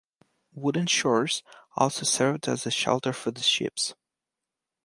Wooden shores also served as a shelter for the ships.